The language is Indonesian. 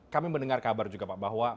kami mendengar kabar juga pak bahwa